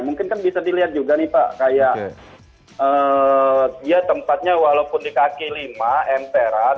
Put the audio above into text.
mungkin kan bisa dilihat juga nih pak kayak dia tempatnya walaupun di kaki lima emperan